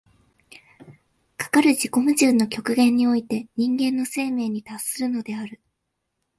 かかる自己矛盾の極限において人間の生命に達するのである。